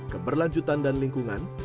keberlanjutan dan lingkungan